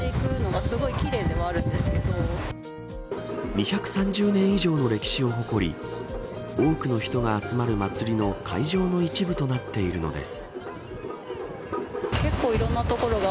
２３０年以上の歴史を誇り多くの人が集まる祭りの会場の一部となっているのです。